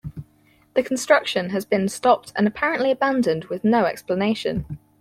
The construction has been stopped and apparently abandoned with no explanation.